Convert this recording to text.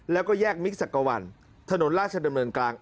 แล้วก็แยกมิกสักกะวันถนนราชดำเนินกลาง